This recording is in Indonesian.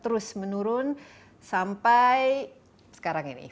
terus menurun sampai sekarang ini